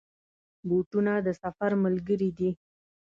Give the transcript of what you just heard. بوټونه د سفر ملګري دي.